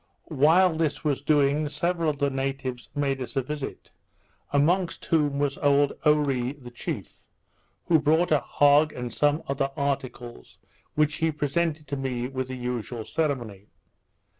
While this was doing, several of the natives made us a visit, amongst whom was old Oree the chief, who brought a hog and some other articles, which he presented to me, with the usual ceremony.